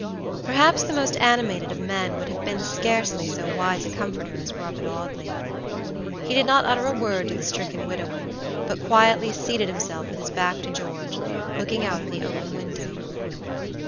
Perhaps the most animated of men would have been scarcely so wise a comforter as Robert Audley. He did not utter a word to the stricken widower, but quietly seated himself with his back to George, looking out of the open window.